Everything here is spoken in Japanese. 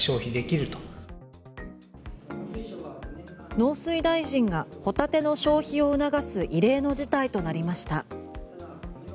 農水大臣がホタテの消費を促す異例の事態となりました。